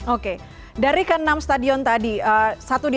oke dari ke enam stadion tadi